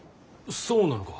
そうなのか？